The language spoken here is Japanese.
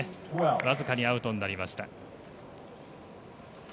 わずかにアウトになりました。